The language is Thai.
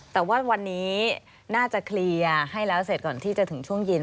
แต่ว่าวันนี้น่าจะเคลียร์ให้แล้วเสร็จก่อนที่จะถึงช่วงเย็น